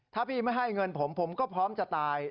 ถ้าพี่ไม่ให้เงินผมผมก็พร้อมจะตาย